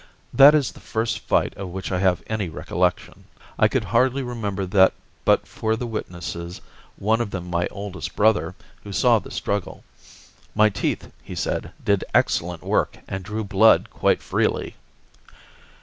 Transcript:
That is the first fight of which I have any recollection. I could hardly remember that but for the witnesses, one of them my oldest brother, who saw the struggle. My teeth, he said, did excellent work and drew blood quite freely.